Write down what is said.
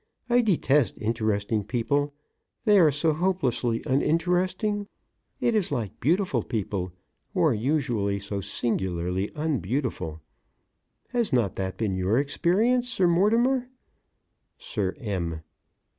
I detest interesting people; they are so hopelessly uninteresting. It is like beautiful people who are usually so singularly unbeautiful. Has not that been your experience, Sir Mortimer? SIR M.